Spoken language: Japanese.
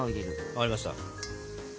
分かりました。